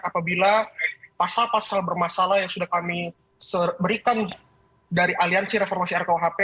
apabila pasal pasal bermasalah yang sudah kami berikan dari aliansi reformasi rkuhp